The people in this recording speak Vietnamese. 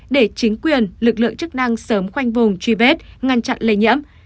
để chính quyền lực lượng chức năng sớm khoanh vùng truy vết ngăn chặn lây nhiễm